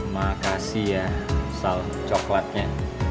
makasih ya salma cokelatnya